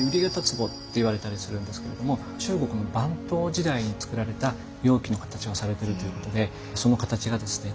瓜形壺って言われたりするんですけども中国の晩唐時代に作られた容器の形をされているということでその形がですね